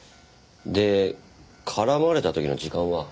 で絡まれた時の時間は？